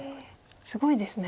すごいですね。